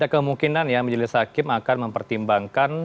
ada kemungkinan ya majelis hakim akan mempertimbangkan